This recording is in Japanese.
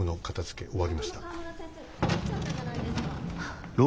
終わりました。